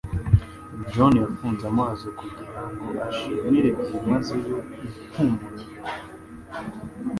John yafunze amaso kugirango ashimire byimazeyo impumuro ye.